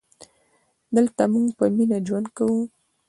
دلته مونږ په مینه ژوند کوو